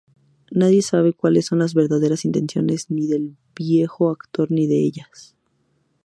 Nadie sabe cuáles son las verdaderas intenciones ni del viejo actor ni de ellas.